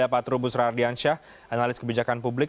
pak trubus rardiansyah analis kebijakan publik